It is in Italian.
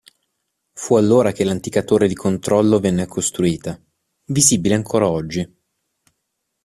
Fu allora che l'antica torre di controllo venne costruita, visibile ancora oggi.